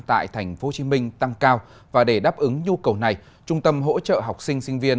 tại tp hcm tăng cao và để đáp ứng nhu cầu này trung tâm hỗ trợ học sinh sinh viên